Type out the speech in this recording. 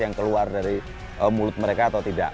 yang keluar dari mulut mereka atau tidak